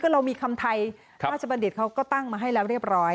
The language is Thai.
เรามีคำไทยราชบัณฑิตเขาก็ตั้งมาให้แล้วเรียบร้อย